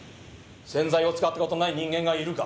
洗剤を使ったことない人間がいるか？